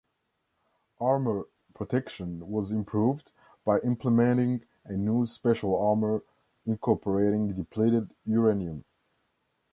Armor protection was improved by implementing a new special armor incorporating depleted uranium.